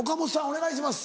お願いします。